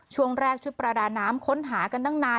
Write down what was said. ช่วงแรกชุดประดาน้ำค้นหากันตั้งนาน